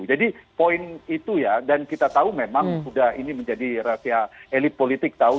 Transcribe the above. jadi poin itu ya dan kita tahu memang sudah ini menjadi rahasia elit politik tahu